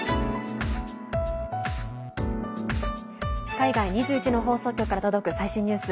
海外２１の放送局から届く最新ニュース。